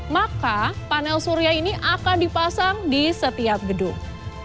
maka panel surya ini akan dipasang di setiap gedung